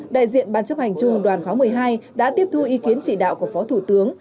đại diện ban chấp hành trung ương đoàn khóa một mươi hai đã tiếp thu ý kiến chỉ đạo của phó thủ tướng